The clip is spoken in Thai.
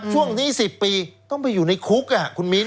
ช่วงนี้๑๐ปีต้องไปอยู่ในคุกคุณมิ้น